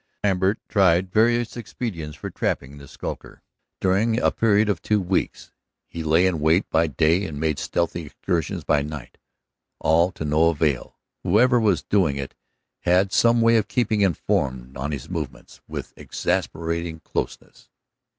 Lambert tried various expedients for trapping this skulker during a period of two weeks. He lay in wait by day and made stealthy excursions by night, all to no avail. Whoever was doing it had some way of keeping informed on his movements with exasperating closeness.